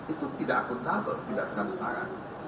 itu tidak akuntabel tidak transparan